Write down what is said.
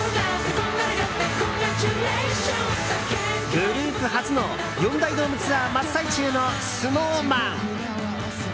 グループ初の４大ドームツアー真っ最中のＳｎｏｗＭａｎ。